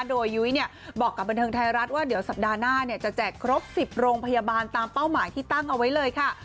โดยยุ้ยเนี่ยบอกกับบันเทิงไทยรัฐว่าเดี๋ยวสัปดาห์หน้าจะแจกครบ๑๐โรงพยาบาลตามเป้าหมายที่ตั้งเอาไว้เลยค่ะ